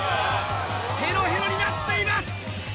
ヘロヘロになっています！